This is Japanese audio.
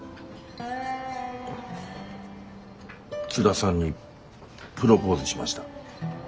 津田さんにプロポーズしました。